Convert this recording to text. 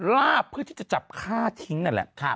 ล่าเพื่อที่จะจับฆ่าทิ้งนั่นแหละ